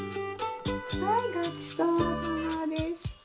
はいごちそうさまでした。